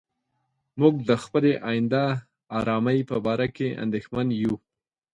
موږ د خپلې آینده آرامۍ په باره کې اندېښمن یو.